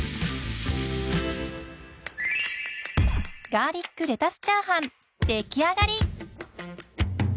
ガーリックレタスチャーハン出来上がり！